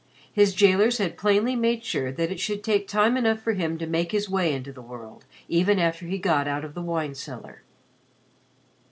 His jailers had plainly made sure that it should take time enough for him to make his way into the world, even after he got out of the wine cellar.